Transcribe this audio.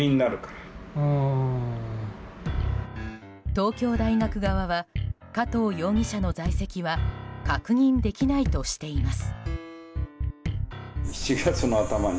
東京大学側は加藤容疑者の在籍は確認できないとしています。